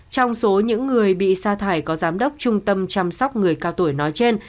trong số những người bị sa thải có giám đốc trung tâm chăm sóc người cao tuổi nói trên